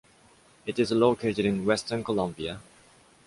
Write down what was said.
It is located in western Colombia.